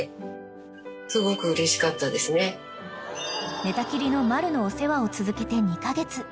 ［寝たきりのマルのお世話を続けて２カ月］